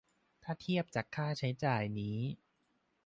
ถ้าเทียบจากค่าใช้จ่ายนี้